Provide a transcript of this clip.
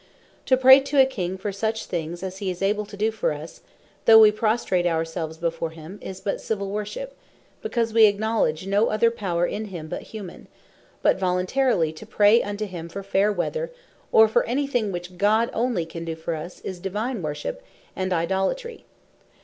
To pray to a King for such things, as hee is able to doe for us, though we prostrate our selves before him, is but Civill Worship; because we acknowledge no other power in him, but humane: But voluntarily to pray unto him for fair weather, or for any thing which God onely can doe for us, is Divine Worship, and Idolatry.